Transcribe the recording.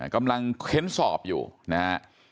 กำลังเข้นสอบอยู่นะฮะ